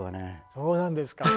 そうなんですか。